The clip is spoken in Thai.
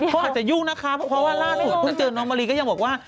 เขาอาจจะยุ่งนะคะเพราะว่าล่าสุดเพิ่งเจอน้องมะลิก็ยังบอกว่า